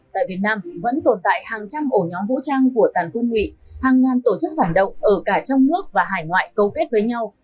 tại việt nam vẫn tồn tại hàng trăm ổ nhóm vũ trang của tàn quân ngụy hàng ngàn tổ chức phản động ở cả trong nước và hải ngoại câu kết với nhau